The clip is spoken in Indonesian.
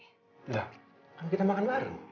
enggak kan kita makan baru